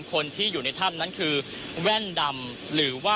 คุณทัศนาควดทองเลยค่ะ